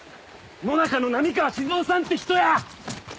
野中の波川志津雄さんって人や！